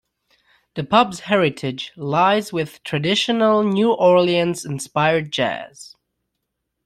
The pub's heritage lies with traditional, New Orleans inspired jazz.